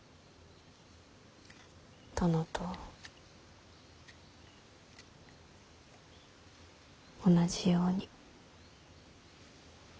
殿と同じように。